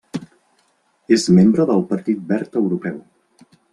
És membre del Partit Verd Europeu.